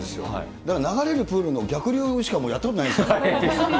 だから流れるプールの逆流しかやったことないんです。